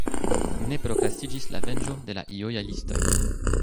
Ne prokrastiĝis la venĝo de la lojalistoj.